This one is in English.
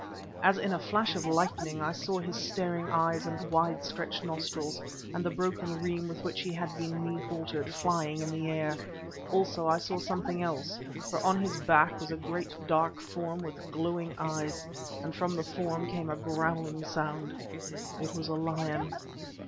As in a flash of lightning I saw his staring eyes and wide stretched nostrils, and the broken reim with which he had been knee haltered, flying in the air. Also I saw something else, for on his back was a great dark form with glowing eyes, and from the form came a growling sound. It was a lion.